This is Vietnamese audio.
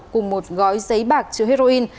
cùng một gói giấy bạc chứa heroin